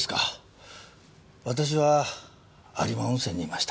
私は有馬温泉にいました。